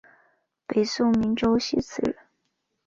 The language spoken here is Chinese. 北宋明州慈溪人。